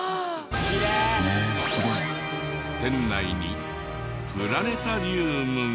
店内にプラネタリウムが。